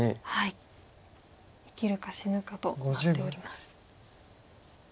生きるか死ぬかとなっております。